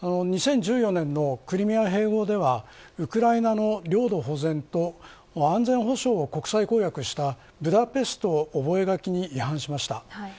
２０１４年のクリミア併合ではウクライナの領土保全と安全保障を国際公約したブダペスト覚書に違反しました。